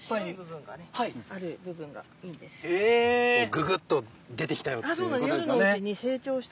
ググっと出てきたよっていうことですよね。